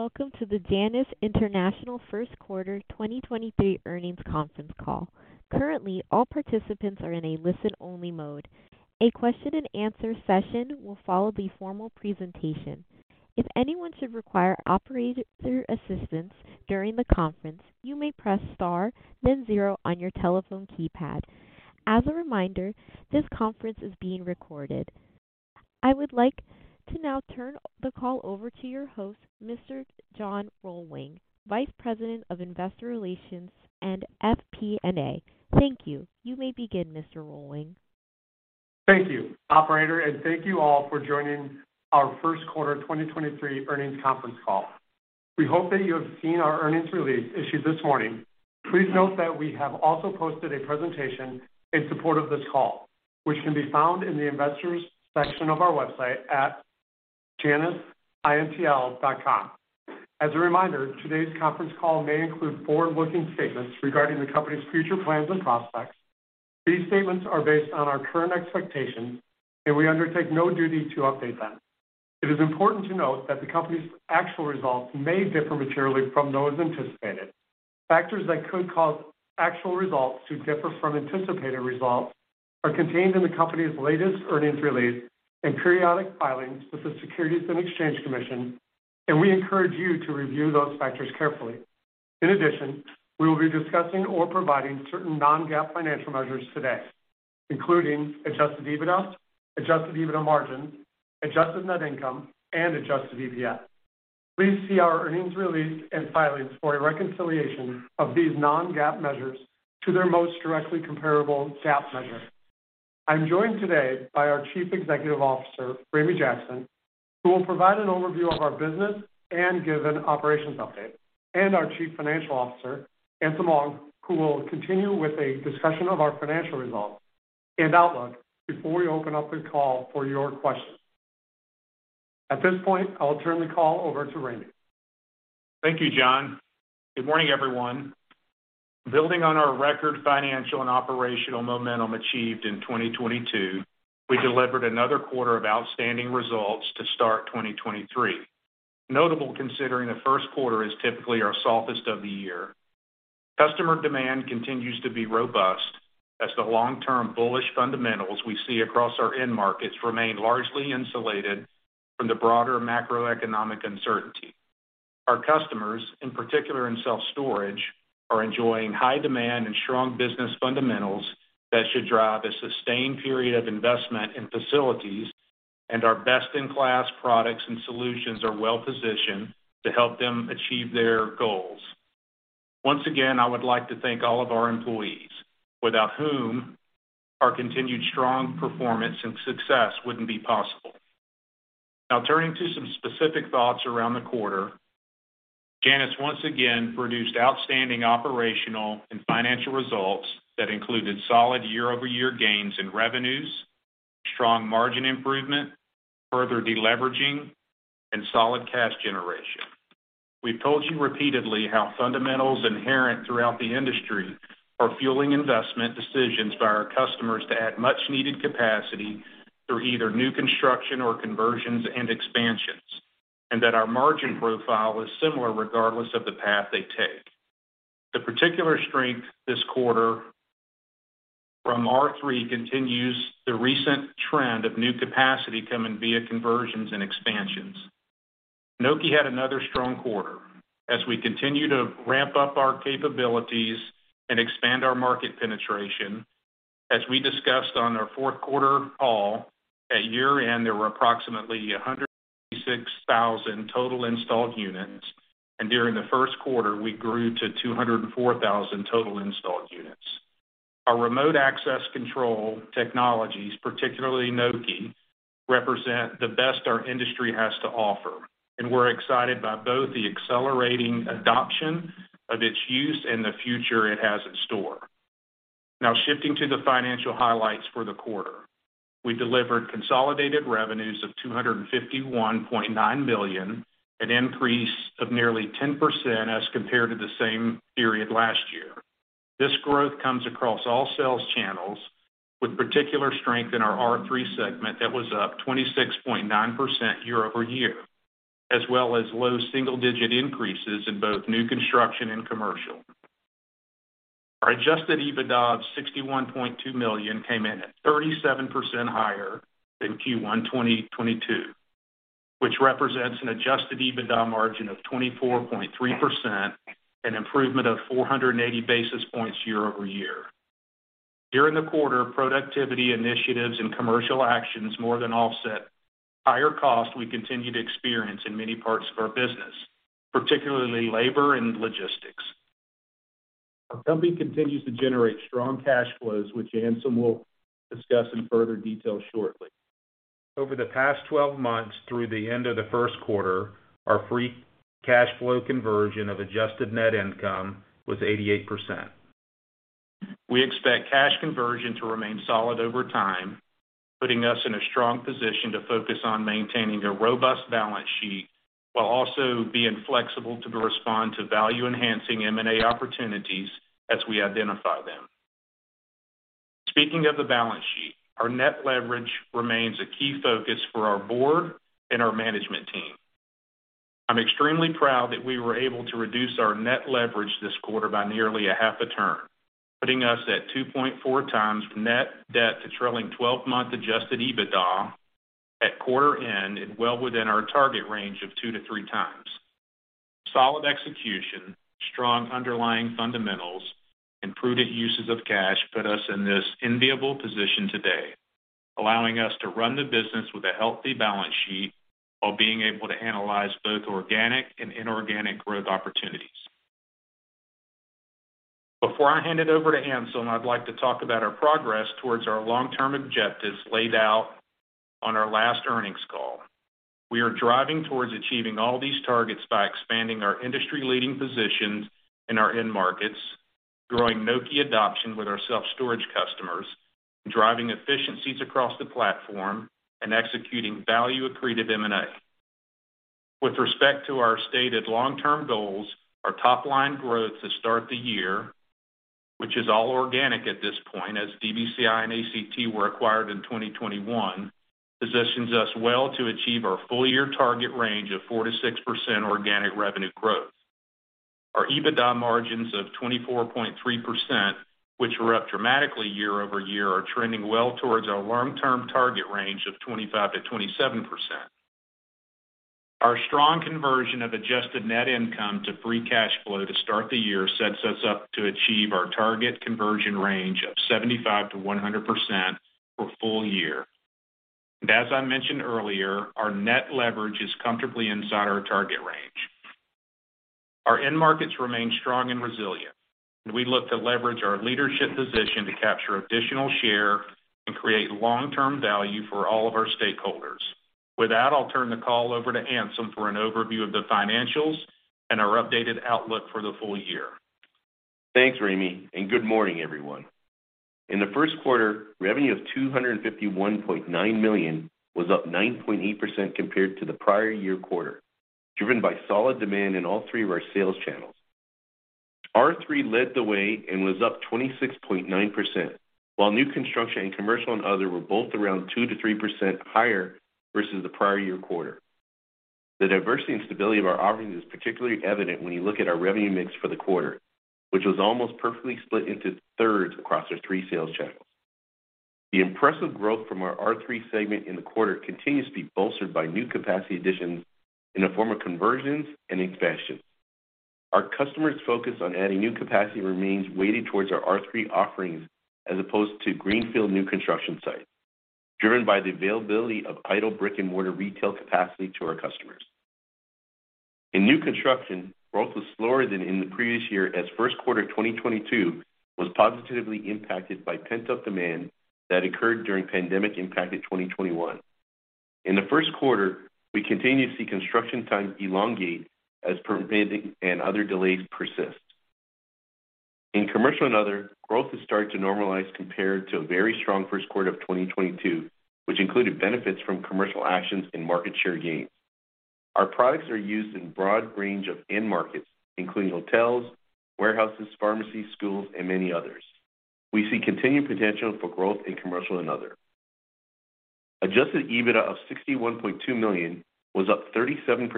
Hello, welcome to the Janus International First Quarter 2023 Earnings Conference Call. Currently, all participants are in a listen-only mode. A question and answer session will follow the formal presentation. If anyone should require operator assistance during the conference, you may press star then zero on your telephone keypad. As a reminder, this conference is being recorded. I would like to now turn the call over to your host, Mr. John Rohlwing, Vice President of Investor Relations and FP&A. Thank you. You may begin, Mr. Rohlwing. Thank you, operator. Thank you all for joining our first quarter 2023 earnings conference call. We hope that you have seen our earnings release issued this morning. Please note that we have also posted a presentation in support of this call, which can be found in the Investors section of our website at janusintl.com. As a reminder, today's conference call may include forward-looking statements regarding the company's future plans and prospects. These statements are based on our current expectations. We undertake no duty to update them. It is important to note that the company's actual results may differ materially from those anticipated. Factors that could cause actual results to differ from anticipated results are contained in the company's latest earnings release and periodic filings with the Securities and Exchange Commission. We encourage you to review those factors carefully. We will be discussing or providing certain non-GAAP financial measures today, including Adjusted EBITDA, Adjusted EBITDA Margin, adjusted net income, and adjusted EPS. Please see our earnings release and filings for a reconciliation of these non-GAAP measures to their most directly comparable GAAP measure. I'm joined today by our Chief Executive Officer, Ramey Jackson, who will provide an overview of our business and give an operations update, and our Chief Financial Officer, Anselm Wong, who will continue with a discussion of our financial results and outlook before we open up the call for your questions. At this point, I'll turn the call over to Ramey. Thank you, John. Good morning, everyone. Building on our record financial and operational momentum achieved in 2022, we delivered another quarter of outstanding results to start 2023. Notable considering the first quarter is typically our softest of the year. Customer demand continues to be robust as the long-term bullish fundamentals we see across our end markets remain largely insulated from the broader macroeconomic uncertainty. Our customers, in particular in self-storage, are enjoying high demand and strong business fundamentals that should drive a sustained period of investment in facilities, and our best-in-class products and solutions are well positioned to help them achieve their goals. Once again, I would like to thank all of our employees, without whom our continued strong performance and success wouldn't be possible. Now turning to some specific thoughts around the quarter. Janus once again produced outstanding operational and financial results that included solid year-over-year gains in revenues, strong margin improvement, further deleveraging, and solid cash generation. We've told you repeatedly how fundamentals inherent throughout the industry are fueling investment decisions by our customers to add much needed capacity through either new construction or conversions and expansions, and that our margin profile is similar regardless of the path they take. The particular strength this quarter from R3 continues the recent trend of new capacity coming via conversions and expansions. Nokē had another strong quarter as we continue to ramp up our capabilities and expand our market penetration. As we discussed on our fourth quarter call, at year-end there were approximately 166,000 total installed units, and during the first quarter we grew to 204,000 total installed units. Our remote Access Control Technologies, particularly Nokē, represent the best our industry has to offer, and we're excited by both the accelerating adoption of its use and the future it has in store. Now shifting to the financial highlights for the quarter. We delivered consolidated revenues of $251.9 million, an increase of nearly 10% as compared to the same period last year. This growth comes across all sales channels with particular strength in our R3 segment that was up 26.9% year-over-year, as well as low single digit increases in both new construction and commercial. Our Adjusted EBITDA of $61.2 million came in at 37% higher than Q1 2022, which represents an Adjusted EBITDA Margin of 24.3%, an improvement of 480 basis points year-over-year. During the quarter, productivity initiatives and commercial actions more than offset higher costs we continue to experience in many parts of our business, particularly labor and logistics. Our company continues to generate strong cash flows, which Anselm will discuss in further detail shortly. Over the past 12 months through the end of the first quarter, our free cash flow conversion of adjusted net income was 88%. We expect cash conversion to remain solid over time, putting us in a strong position to focus on maintaining a robust balance sheet while also being flexible to respond to value enhancing M&A opportunities as we identify them. Speaking of the balance sheet, our net leverage remains a key focus for our board and our management team. I'm extremely proud that we were able to reduce our net leverage this quarter by nearly a half a turn, putting us at 2.4x net debt to trailing twelve-month Adjusted EBITDA at quarter end and well within our target range of 2x-3x. Solid execution, strong underlying fundamentals, and prudent uses of cash put us in this enviable position today, allowing us to run the business with a healthy balance sheet while being able to analyze both organic and inorganic growth opportunities. Before I hand it over to Anselm, I'd like to talk about our progress towards our long-term objectives laid out on our last earnings call. We are driving towards achieving all these targets by expanding our industry leading positions in our end markets, growing Nokē adoption with our self-storage customers, driving efficiencies across the platform, and executing value-accretive M&A. With respect to our stated long-term goals, our top-line growth to start the year, which is all organic at this point as DBCI and ACT were acquired in 2021, positions us well to achieve our full year target range of 4%-6% organic revenue growth. Our EBITDA margins of 24.3%, which were up dramatically year-over-year, are trending well towards our long-term target range of 25%-27%. Our strong conversion of adjusted net income to free cash flow to start the year sets us up to achieve our target conversion range of 75%-100% for full year. As I mentioned earlier, our net leverage is comfortably inside our target range. Our end markets remain strong and resilient, we look to leverage our leadership position to capture additional share and create long-term value for all of our stakeholders. With that, I'll turn the call over to Anselm Wong for an overview of the financials and our updated outlook for the full year. Thanks, Ramey, good morning, everyone. In the first quarter, revenue of $251.9 million was up 9.8% compared to the prior year quarter, driven by solid demand in all three of our sales channels. R3 led the way and was up 26.9%, while new construction and commercial and other were both around 2%-3% higher versus the prior year quarter. The diversity and stability of our offerings is particularly evident when you look at our revenue mix for the quarter, which was almost perfectly split into thirds across our three sales channels. The impressive growth from our R3 segment in the quarter continues to be bolstered by new capacity additions in the form of conversions and expansions. Our customers' focus on adding new capacity remains weighted towards our R3 offerings as opposed to greenfield new construction sites, driven by the availability of idle brick-and-mortar retail capacity to our customers. In new construction, growth was slower than in the previous year as first quarter 2022 was positively impacted by pent-up demand that occurred during pandemic impacted 2021. In the first quarter, we continue to see construction times elongate as permitting and other delays persist. In commercial and other, growth has started to normalize compared to a very strong first quarter of 2022, which included benefits from commercial actions and market share gains. Our products are used in broad range of end markets, including hotels, warehouses, pharmacies, schools, and many others. We see continued potential for growth in commercial and other. Adjusted EBITDA of $61.2 million was up 37%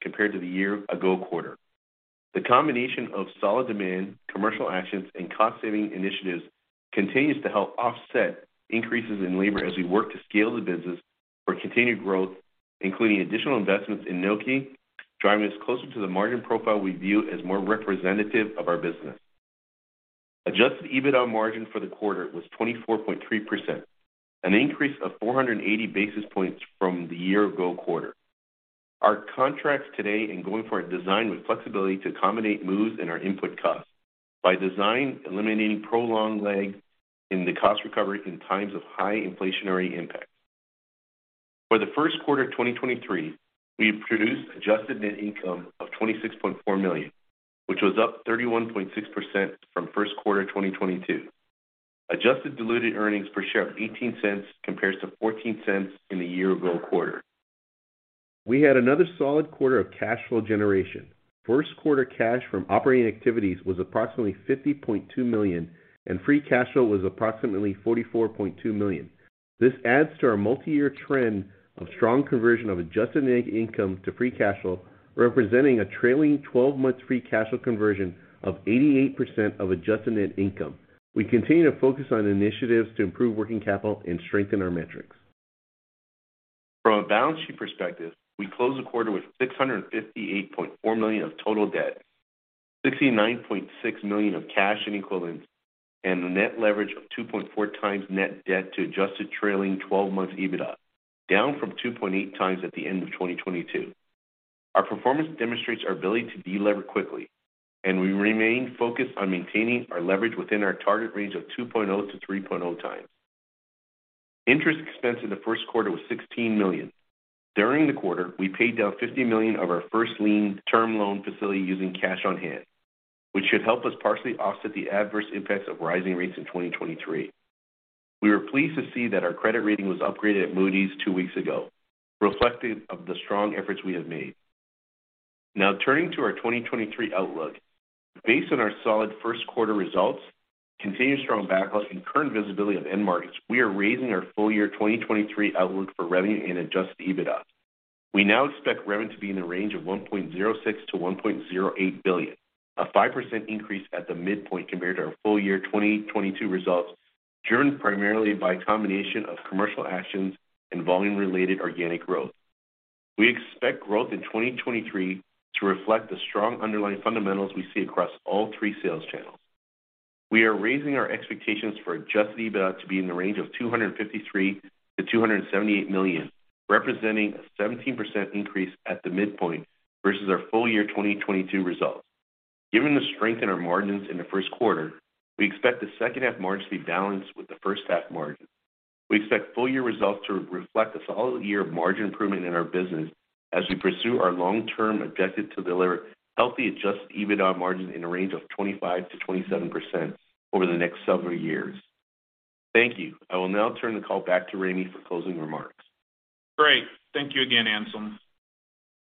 compared to the year ago quarter. The combination of solid demand, commercial actions, and cost saving initiatives continues to help offset increases in labor as we work to scale the business for continued growth, including additional investments in Nokē, driving us closer to the margin profile we view as more representative of our business. Adjusted EBITDA Margin for the quarter was 24.3%, an increase of 480 basis points from the year ago quarter. Our contracts today and going forward are designed with flexibility to accommodate moves in our input costs. By design, eliminating prolonged lag in the cost recovery in times of high inflationary impact. For the first quarter of 2023, we produced adjusted net income of $26.4 million, which was up 31.6% from first quarter 2022. Adjusted diluted earnings per share of $0.18 compares to $0.14 in the year-ago quarter. We had another solid quarter of cash flow generation. First quarter cash from operating activities was approximately $50.2 million, and free cash flow was approximately $44.2 million. This adds to our multi-year trend of strong conversion of adjusted net income to free cash flow, representing a trailing twelve-month free cash flow conversion of 88% of adjusted net income. We continue to focus on initiatives to improve working capital and strengthen our metrics. From a balance sheet perspective, we closed the quarter with $658.4 million of total debt, $69.6 million of cash and equivalents, and a net leverage of 2.4x net debt to Adjusted trailing twelve months EBITDA, down from 2.8x at the end of 2022. Our performance demonstrates our ability to delever quickly. We remain focused on maintaining our leverage within our target range of 2.0x-3.0x. Interest expense in the first quarter was $16 million. During the quarter, we paid down $50 million of our first lien term loan facility using cash on hand, which should help us partially offset the adverse impacts of rising rates in 2023. We were pleased to see that our credit rating was upgraded at Moody's two weeks ago, reflective of the strong efforts we have made. Turning to our 2023 outlook. Based on our solid first quarter results, continued strong backlog and current visibility of end markets, we are raising our full year 2023 outlook for revenue and Adjusted EBITDA. We now expect revenue to be in the range of $1.06 billion-$1.08 billion, a 5% increase at the midpoint compared to our full year 2022 results, driven primarily by a combination of commercial actions and volume related organic growth. We expect growth in 2023 to reflect the strong underlying fundamentals we see across all three sales channels. We are raising our expectations for Adjusted EBITDA to be in the range of $253 million-$278 million, representing a 17% increase at the midpoint versus our full year 2022 results. Given the strength in our margins in the first quarter, we expect the second half margin to be balanced with the first half margin. We expect full year results to reflect a solid year of margin improvement in our business as we pursue our long term objective to deliver healthy Adjusted EBITDA Margin in a range of 25%-27% over the next several years. Thank you. I will now turn the call back to Ramey for closing remarks. Great. Thank you again, Anselm.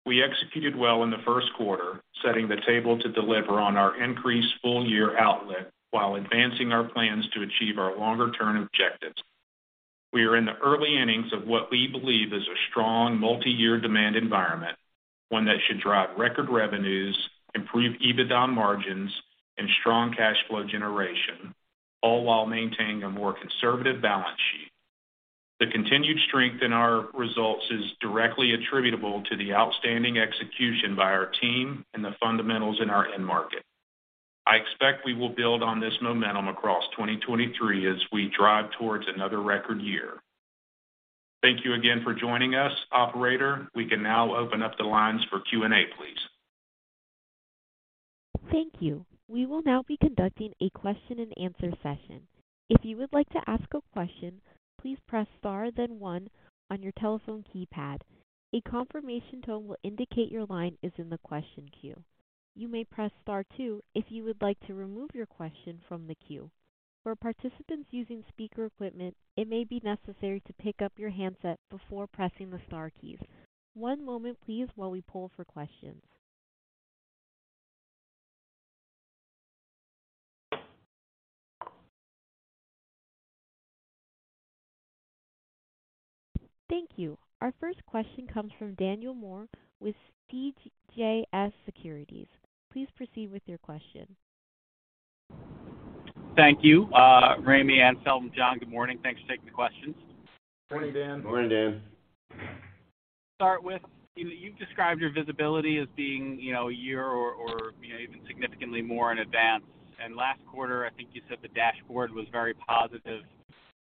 We executed well in the first quarter, setting the table to deliver on our increased full year outlet while advancing our plans to achieve our longer-term objectives. We are in the early innings of what we believe is a strong multi-year demand environment, one that should drive record revenues, improve EBITDA margins, and strong cash flow generation, all while maintaining a more conservative balance sheet. The continued strength in our results is directly attributable to the outstanding execution by our team and the fundamentals in our end market. I expect we will build on this momentum across 2023 as we drive towards another record year. Thank you again for joining us. Operator, we can now open up the lines for Q&A, please. Thank you. We will now be conducting a question and answer session. If you would like to ask a question, please press star then one on your telephone keypad. A confirmation tone will indicate your line is in the question queue. You may press star two if you would like to remove your question from the queue. For participants using speaker equipment, it may be necessary to pick up your handset before pressing the star keys. One moment please while we poll for questions. Thank you. Our first question comes from Daniel Moore with CJS Securities. Please proceed with your question. Thank you, Ramey, Anselm, John. Good morning. Thanks for taking the questions. Morning, Dan. Morning, Dan. Start with you've described your visibility as being a year or even significantly more in advance. Last quarter, I think you said the dashboard was very positive.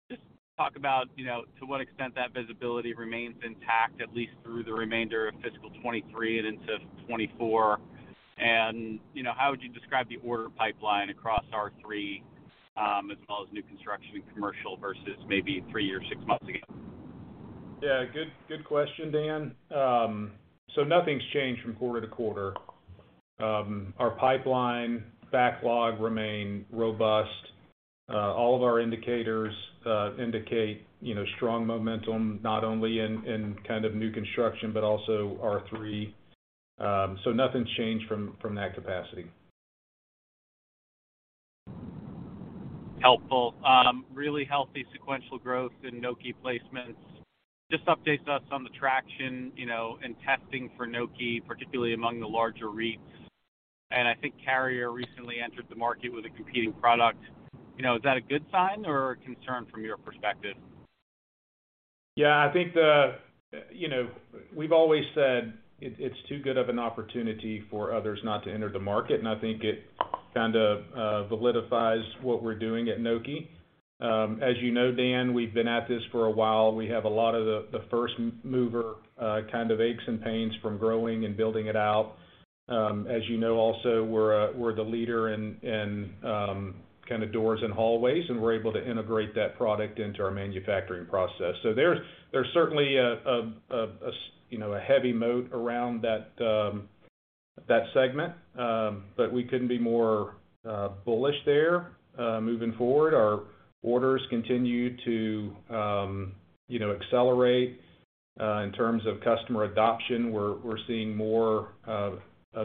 Just talk about to what extent that visibility remains intact at least through the remainder of fiscal 2023 and into 2024., how would you describe the order pipeline across R3 as well as new construction and commercial versus maybe 3 or 6 months ago? Yeah, good question, Dan. Nothing's changed from quarter to quarter. Our pipeline backlog remain robust. All of our indicators indicate strong momentum, not only in kind of new construction but also R3. Nothing's changed from that capacity. Helpful. really healthy sequential growth in Nokē placements. Just update us on the traction and testing for Nokē, particularly among the larger REITs. I think Carrier recently entered the market with a competing product., is that a good sign or a concern from your perspective? Yeah, I think, we've always said it's too good of an opportunity for others not to enter the market. I think it kind of validifies what we're doing at Nokē. As, Dan, we've been at this for a while. We have a lot of the first mover kind of aches and pains from growing and building it out. As also, we're the leader in kinda doors and hallways, and we're able to integrate that product into our manufacturing process. There's certainly a a heavy moat around that segment. We couldn't be more bullish there moving forward. Our orders continue to accelerate. In terms of customer adoption, we're seeing more of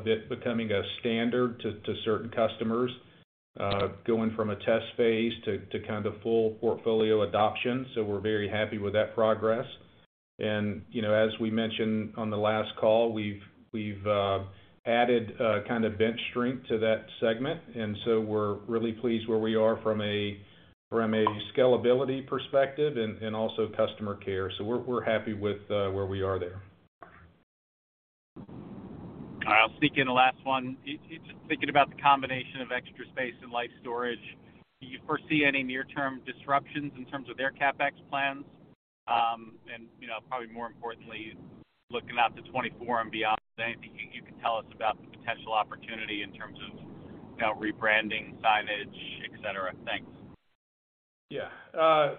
it becoming a standard to certain customers, going from a test phase to kind of full portfolio adoption. We're very happy with that progress. , as we mentioned on the last call, we've added kind of bench strength to that segment, we're really pleased where we are from a scalability perspective and also customer care. We're happy with where we are there. I'll sneak in the last one. It's just thinking about the combination of Extra Space and Life Storage. Do you foresee any near term disruptions in terms of their CapEx plans? , probably more importantly, looking out to 2024 and beyond, is there anything you can tell us about the potential opportunity in terms of rebranding, signage, et cetera? Thanks.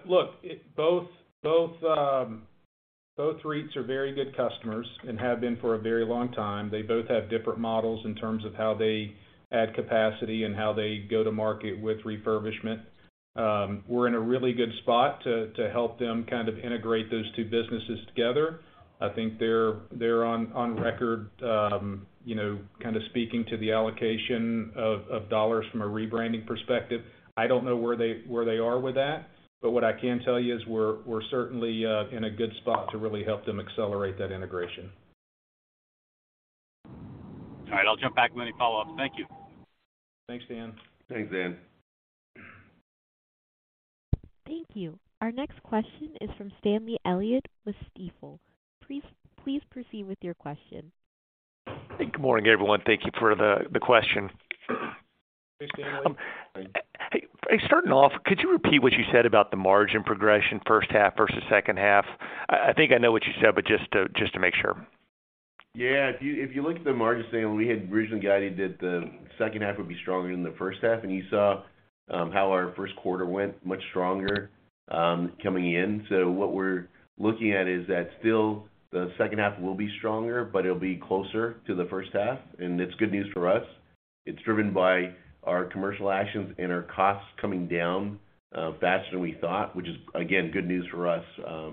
Look, both REITs are very good customers and have been for a very long time. They both have different models in terms of how they add capacity and how they go to market with refurbishment. We're in a really good spot to help them kind of integrate those two businesses together. I think they're on record kind of speaking to the allocation of dollars from a rebranding perspective. I don't know where they are with that, but what I can tell you is we're certainly in a good spot to really help them accelerate that integration. All right. I'll jump back with any follow-up. Thank you. Thanks, Dan. Thanks, Dan. Thank you. Our next question is from Stanley Elliott with Stifel. Please proceed with your question. Hey, good morning, everyone. Thank you for the question. Hey, Stanley. Hey. Hey, starting off, could you repeat what you said about the margin progression first half versus second half? I think I know what you said, but just to make sure. Yeah. If you look at the margin, Stanley, we had originally guided that the second half would be stronger than the first half. You saw how our first quarter went much stronger coming in. What we're looking at is that still the second half will be stronger, but it'll be closer to the first half. It's good news for us. It's driven by our commercial actions and our costs coming down faster than we thought, which is, again, good news for us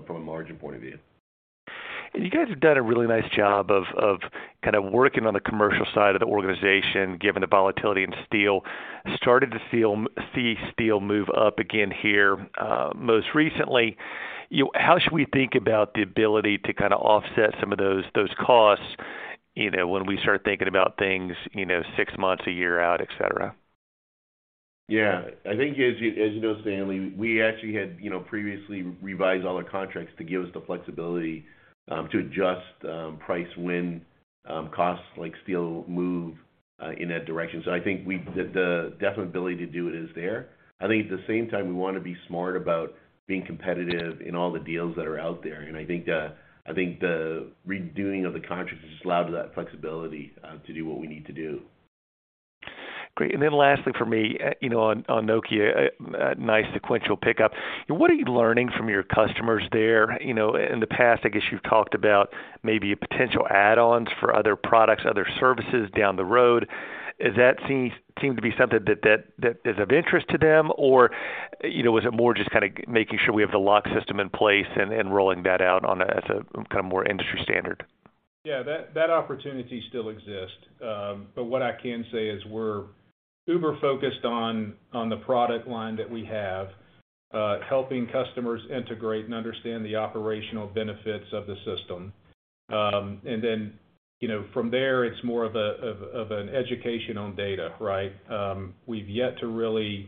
from a margin point of view. You guys have done a really nice job of kind of working on the commercial side of the organization, given the volatility in steel. Started to see steel move up again here most recently. How should we think about the ability to kinda offset some of those costs when we start thinking about things six months, a year out, et cetera? Yeah. I think as, Stanley, we actually had previously revised all our contracts to give us the flexibility to adjust price when costs like steel move in that direction. I think the definite ability to do it is there. I think at the same time, we wanna be smart about being competitive in all the deals that are out there. I think, I think the redoing of the contracts has allowed us that flexibility to do what we need to do. Great. Lastly for me on Nokē, nice sequential pickup. What are you learning from your customers there?, in the past, I guess you've talked about maybe potential add-ons for other products, other services down the road. Is that seem to be something that is of interest to them, or is it more just kinda making sure we have the lock system in place and rolling that out as a kinda more industry standard? Yeah, that opportunity still exists. What I can say is we're uber focused on the product line that we have, helping customers integrate and understand the operational benefits of the system. then from there, it's more of an education on data, right? We've yet to really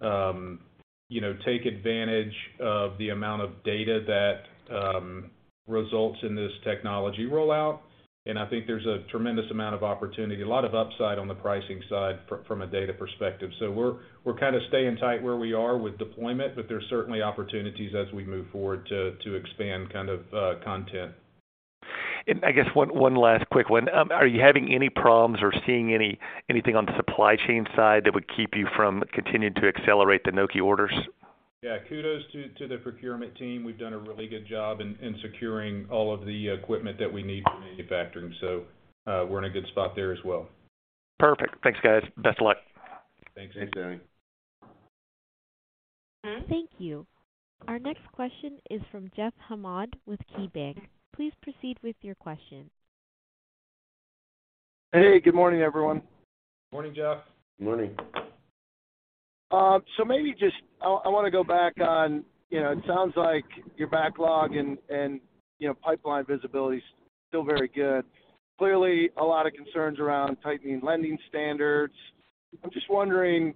take advantage of the amount of data that results in this technology rollout, and I think there's a tremendous amount of opportunity, a lot of upside on the pricing side from a data perspective. We're, we're kind of staying tight where we are with deployment, but there's certainly opportunities as we move forward to expand kind of, content. I guess one last quick one. Are you having any problems or seeing anything on the supply chain side that would keep you from continuing to accelerate the Nokē orders? Yeah. Kudos to the procurement team. We've done a really good job in securing all of the equipment that we need for manufacturing. We're in a good spot there as well. Perfect. Thanks, guys. Best of luck. Thanks. Thanks, Stanley. Thank you. Our next question is from Jeff Hammond with KeyBank. Please proceed with your question. Hey, good morning, everyone. Morning, Jeff. Good morning. I wanna go back on it sounds like your backlog and pipeline visibility is still very good. Clearly, a lot of concerns around tightening lending standards. I'm just wondering,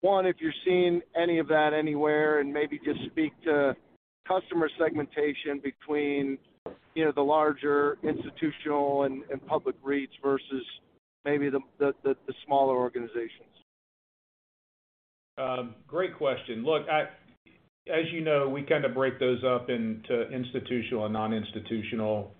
one, if you're seeing any of that anywhere, and maybe just speak to customer segmentation between the larger institutional and public REITs versus maybe the smaller organizations? Great question. Look, as, we kinda break those up into institutional and non-institutional.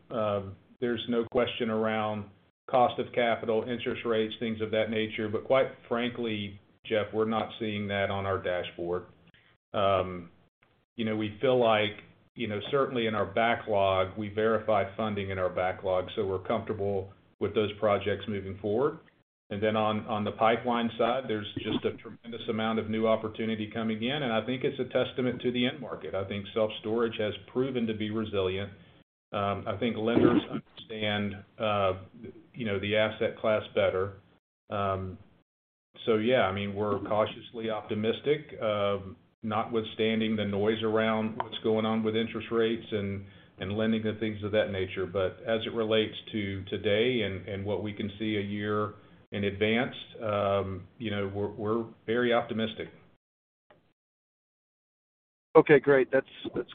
There's no question around cost of capital, interest rates, things of that nature. Quite frankly, Jeff, we're not seeing that on our dashboard., we feel like certainly in our backlog, we verified funding in our backlog, so we're comfortable with those projects moving forward. Then on the pipeline side, there's just a tremendous amount of new opportunity coming in, and I think it's a testament to the end market. I think self-storage has proven to be resilient. I think lenders understand the asset class better. Yeah, I mean, we're cautiously optimistic, notwithstanding the noise around what's going on with interest rates and lending and things of that nature. As it relates to today and what we can see a year in advance we're very optimistic. Okay, great. That's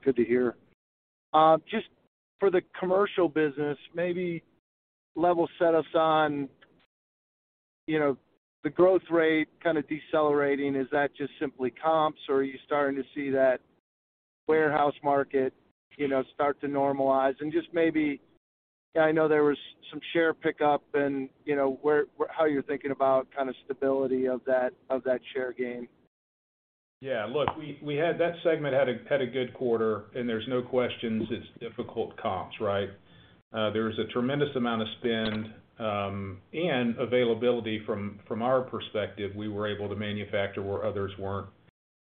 good to hear. Just for the commercial business, maybe level set us on the growth rate kind of decelerating. Is that just simply comps, or are you starting to see that? Warehouse market start to normalize? just maybe, I know there was some share pickup and how you're thinking about kind of stability of that, of that share gain. Yeah. Look, that segment had a good quarter. There's no question it's difficult comps, right? There was a tremendous amount of spend, and availability from our perspective. We were able to manufacture where others weren't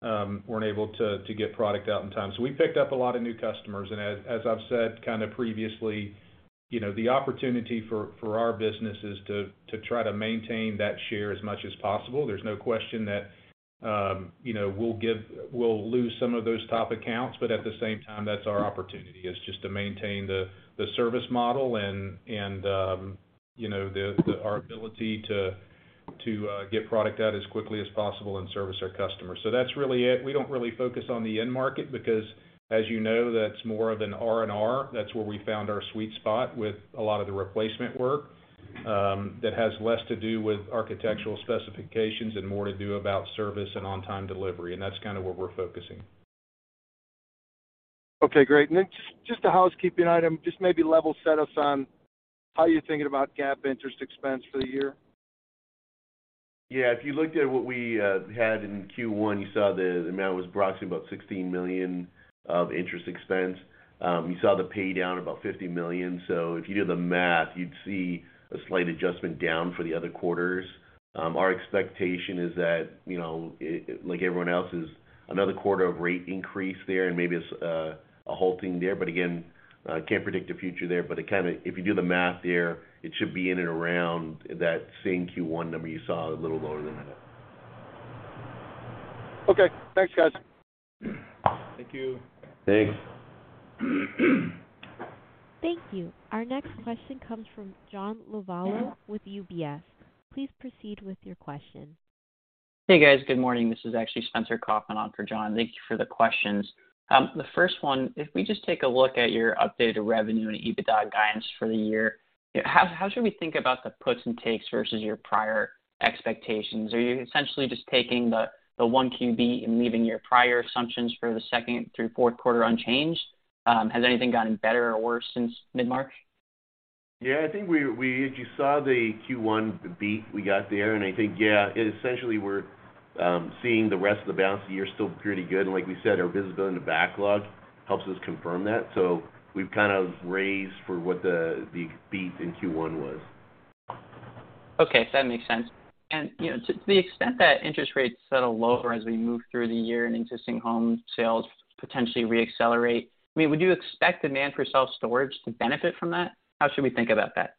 able to get product out in time. We picked up a lot of new customers. As I've said kind of previously the opportunity for our business is to try to maintain that share as much as possible. There's no question that we'll lose some of those top accounts, but at the same time, that's our opportunity, is just to maintain the service model and our ability to get product out as quickly as possible and service our customers. That's really it. We don't really focus on the end market because, as, that's more of an R3. That's where we found our sweet spot with a lot of the replacement work, that has less to do with architectural specifications and more to do about service and on-time delivery, and that's kind of where we're focusing. Okay, great. Then just a housekeeping item, just maybe level set us on how you're thinking about GAAP interest expense for the year. Yeah. If you looked at what we had in Q1, you saw the amount was approximately about $16 million of interest expense. You saw the pay down about $50 million. If you do the math, you'd see a slight adjustment down for the other quarters. Our expectation is that like everyone else, is another quarter of rate increase there and maybe it's a halting there. Again, can't predict the future there, but it kinda. If you do the math there, it should be in and around that same Q1 number you saw, a little lower than that. Okay. Thanks, guys. Thank you. Thanks. Thank you. Our next question comes from John Lovallo with UBS. Please proceed with your question. Hey, guys. Good morning. This is actually Spencer Kaufman on for John. Thank you for the questions. The first one, if we just take a look at your updated revenue and EBITDA guidance for the year, how should we think about the puts and takes versus your prior expectations? Are you essentially just taking the 1QB and leaving your prior assumptions for the second through fourth quarter unchanged? Has anything gotten better or worse since mid-March? Yeah, I think we. As you saw the Q1 beat we got there, I think, yeah, essentially we're seeing the rest of the balance of the year still pretty good. Like we said, our visibility into backlog helps us confirm that. We've kind of raised for what the beat in Q1 was. Okay. That makes sense. , to the extent that interest rates settle lower as we move through the year and existing home sales potentially reaccelerate, I mean, would you expect demand for self-storage to benefit from that? How should we think about that?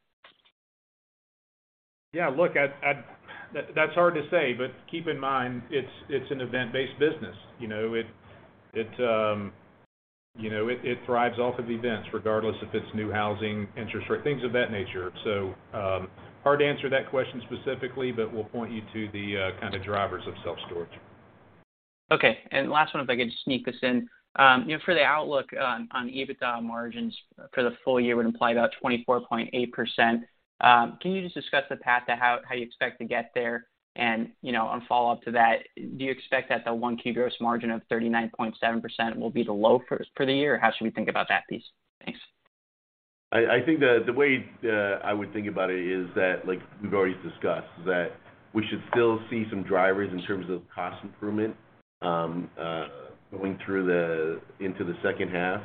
Yeah. Look, That's hard to say, but keep in mind, it's an event-based business,. it it thrives off of events, regardless if it's new housing, interest rates, things of that nature. Hard to answer that question specifically, but we'll point you to the kind of drivers of self-storage. Okay. Last one, if I could just sneak this in., for the outlook on EBITDA margins for the full year would imply about 24.8%. Can you just discuss the path to how you expect to get there?, on follow-up to that, do you expect that the 1Q gross margin of 39.7% will be the low for the year? How should we think about that piece? Thanks. I think the way I would think about it is that, like we've already discussed, is that we should still see some drivers in terms of cost improvement going through into the second half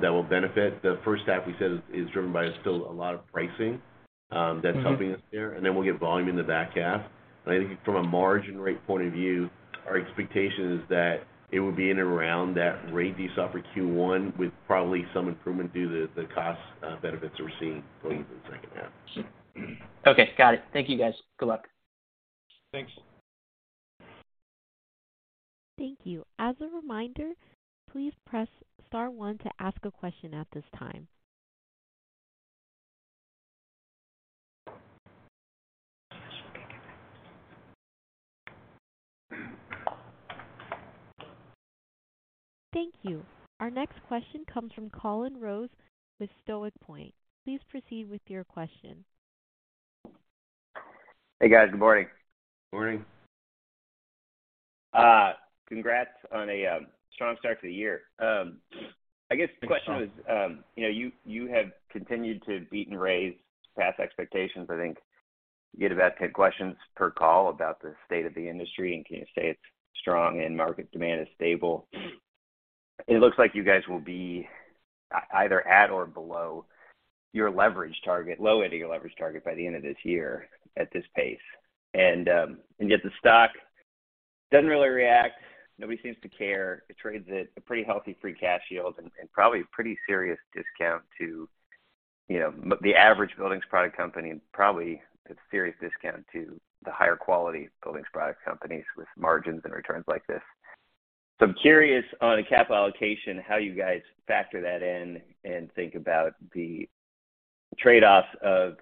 that will benefit. The first half we said is driven by still a lot of pricing. Mm-hmm. that's helping us there, and then we'll get volume in the back half. I think from a margin rate point of view, our expectation is that it would be in and around that rate you saw for Q1, with probably some improvement due to the cost benefits that we're seeing going through the second half. Okay. Got it. Thank you, guys. Good luck. Thanks. Thank you. As a reminder, please press Star one to ask a question at this time. Thank you. Our next question comes from Cullen Rose with Stoic Point. Please proceed with your question. Hey, guys. Good morning. Morning. Congrats on a strong start to the year. I guess the question. Thanks, Cullen., you have continued to beat and raise past expectations, I think. You get about 10 questions per call about the state of the industry, and can you say it's strong and market demand is stable. It looks like you guys will be either at or below your leverage target, low end of your leverage target by the end of this year at this pace. Yet the stock doesn't really react. Nobody seems to care. It trades at a pretty healthy free cash yield and probably a pretty serious discount to the average buildings product company, and probably a serious discount to the higher quality buildings product companies with margins and returns like this. I'm curious on the capital allocation, how you guys factor that in and think about the trade-offs of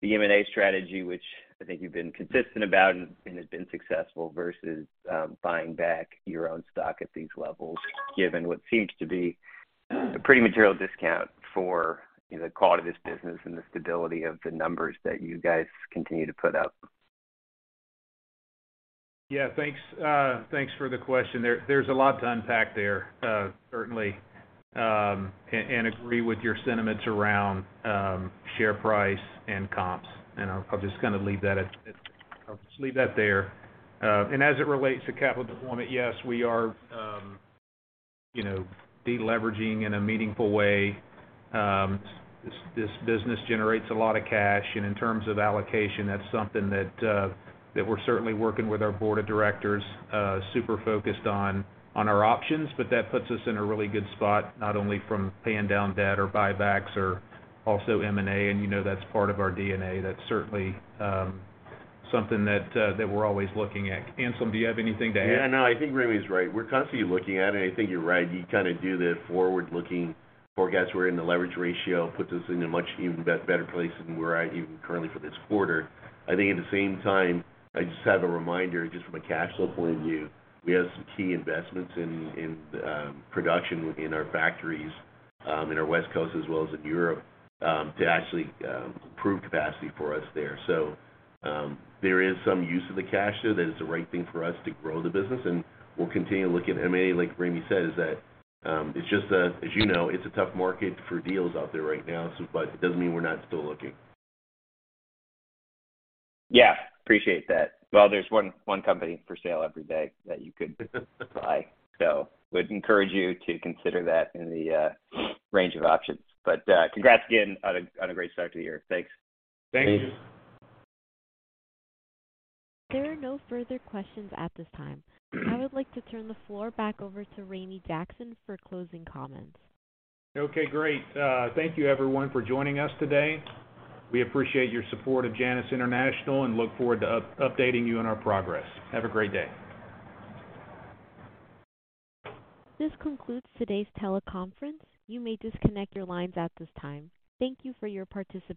the M&A strategy, which I think you've been consistent about and has been successful versus buying back your own stock at these levels, given what seems to be a pretty material discount for the quality of this business and the stability of the numbers that you guys continue to put up. Yeah, thanks for the question. There's a lot to unpack there, certainly. Agree with your sentiments around share price and comps, and I'm just gonna leave that at I'll just leave that there. As it relates to capital deployment, yes, we are de-leveraging in a meaningful way. This business generates a lot of cash, and in terms of allocation, that's something that we're certainly working with our board of directors, super focused on our options. That puts us in a really good spot, not only from paying down debt or buybacks or also M&A, and that's part of our DNA. That's certainly something that we're always looking at. Anselm, do you have anything to add? Yeah, no, I think Ramey is right. We're constantly looking at it. I think you're right. You kind of do the forward-looking forecasts. We're in the leverage ratio, puts us in a much even better place than we're at even currently for this quarter. I think at the same time, I just have a reminder, just from a cash flow point of view, we have some key investments in production within our factories, in our West Coast as well as in Europe, to actually improve capacity for us there. There is some use of the cash there that is the right thing for us to grow the business, and we'll continue to look at M&A, like Ramey said, is that, it's just that, as, it's a tough market for deals out there right now, but it doesn't mean we're not still looking. Yeah, appreciate that. Well, there's one company for sale every day that you could buy. Would encourage you to consider that in the range of options. Congrats again on a great start to the year. Thanks. Thank you. Thanks. There are no further questions at this time. I would like to turn the floor back over to Ramey Jackson for closing comments. Okay, great. Thank you everyone for joining us today. We appreciate your support of Janus International and look forward to updating you on our progress. Have a great day. This concludes today's teleconference. You may disconnect your lines at this time. Thank you for your participation.